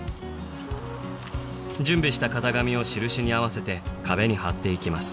準備した型紙を印に合わせて壁に張って行きます